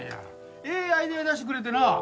ええアイデア出してくれてな。